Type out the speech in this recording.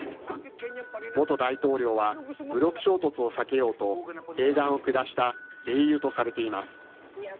元大統領は、武力衝突を避けようと英断を下した英雄とされています。